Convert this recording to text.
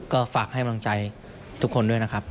ก็ฝากให้กำลังใจทุกคนด้วยนะครับ